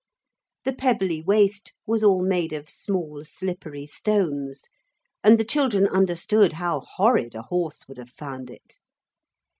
The Pebbly Waste was all made of small slippery stones, and the children understood how horrid a horse would have found it.